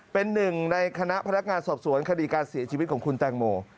เป็นหนึ่งในคณะพนักงานสอบสวนคดีการเสียชีวิตของคุณแตงโม